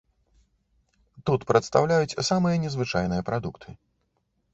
Тут прадстаўляюць самыя незвычайныя прадукты.